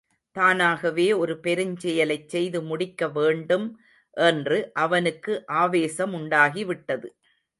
தானாகவே ஒரு பெருஞ்செயலைச் செய்து முடிக்க வேண்டும் என்று அவனுக்கு ஆவேசமுண்டாகிவிட்டது.